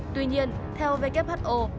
tuy nhiên theo vietcom